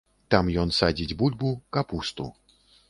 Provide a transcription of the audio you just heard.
Там ён садзіць бульбу, капусту.